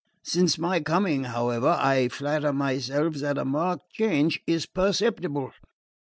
Since my coming, however, I flatter myself that a marked change is perceptible.